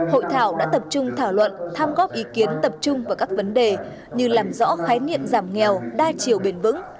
hội thảo đã tập trung thảo luận tham góp ý kiến tập trung vào các vấn đề như làm rõ khái niệm giảm nghèo đa chiều bền vững